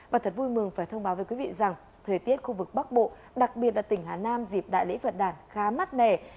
và thật vui mừng phải thông báo với quý vị rằng thời tiết khu vực bắc bộ đặc biệt là tỉnh hà nam dịp đại lễ phật đàn khá mát mẻ